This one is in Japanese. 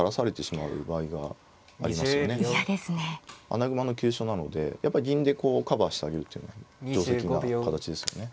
穴熊の急所なのでやっぱり銀でこうカバーしてあげるっていうのは定跡な形ですよね。